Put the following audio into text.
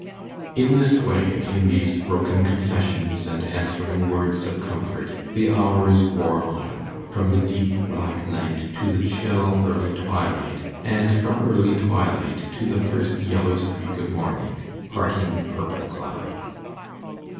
In this way in these broken confessions and answering words of comfort the hours wore on, from the deep black night to the chill early twilight, and from early twilight to the first yellow streak of morning parting the purple cloud.